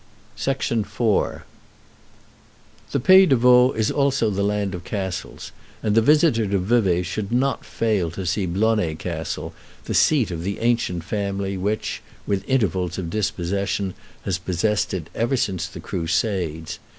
IV The Pays de Vaud is also the land of castles, and the visitor to Vevay should not fail to see Blonay Castle, the seat of the ancient family which, with intervals of dispossession, has possessed it ever since the Crusades.